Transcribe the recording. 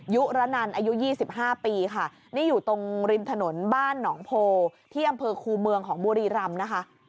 ยุระนันอายุ๒๕ปีค่ะนี่อยู่ตรงริมถนนบ้านหนองโพที่อำเภอคูเมืองของบุรีรำนะคะ